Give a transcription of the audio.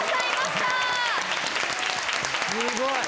すごい！